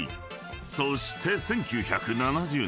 ［そして１９７０年］